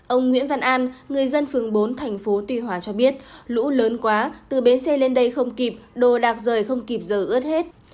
ông nguyễn văn an người dân phường bốn thành phố tuy hòa cho biết lũ lớn quá từ bến xe lên đây không kịp đồ đạc rời không kịp giờ ướt hết